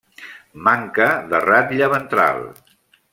Manca de ratlla ventral.